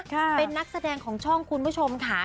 เป็นนักแสดงของช่องคุณผู้ชมค่ะ